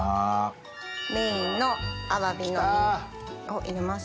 メインのアワビの身を入れます。